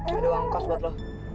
nih ada uang kos buat lo